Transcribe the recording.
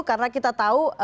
karena kita tahu